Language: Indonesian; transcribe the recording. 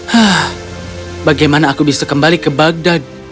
hah bagaimana aku bisa kembali ke bagdad